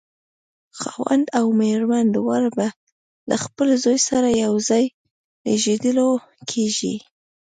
خاوند او مېرمن دواړه به له خپل زوی سره یو ځای لېږدول کېږي.